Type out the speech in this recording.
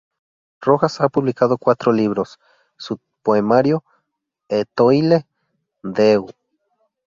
Rojas ha publicado cuatro libros: su poemario: "Étoile d’eau.